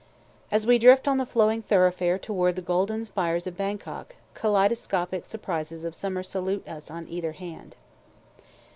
As we drift on the flowing thoroughfare toward the golden spires of Bangkok, kaleidoscopic surprises of summer salute us on either hand.